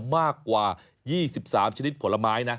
มากกว่า๒๓ชนิดผลไม้นะ